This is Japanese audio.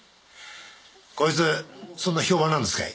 こいつそんな評判なんですかい？